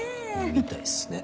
みたいっすね。